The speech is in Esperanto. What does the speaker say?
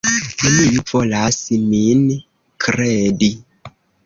Neniu volas min kredi.